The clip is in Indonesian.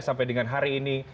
sampai dengan hari ini